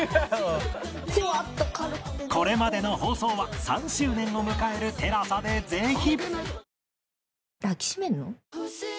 これまでの放送は３周年を迎える ＴＥＬＡＳＡ でぜひ！